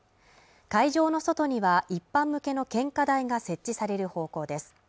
会場の外には一般向けの献花台が設置される方向です